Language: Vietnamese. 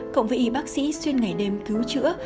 cộng với y bác sĩ xuyên ngày đêm cứu chữa